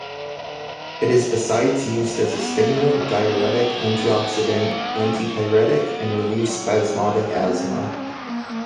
It is besides used as a stimulant, diuretic, antioxidant, antipyretic and relieves spasmodic asthma.